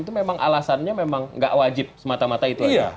itu memang alasannya memang nggak wajib semata mata itu aja